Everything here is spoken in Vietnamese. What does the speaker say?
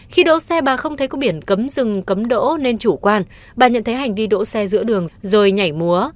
khi đổ xe bà không thấy có biển cấm rừng cấm đỗ nên chủ quan bà nhận thấy hành vi đổ xe giữa đường rồi nhảy múa